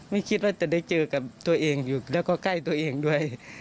ไม่คิดว่าจะได้เจอกับตัวเองอยู่แล้วก็ใกล้ตัวเองด้วย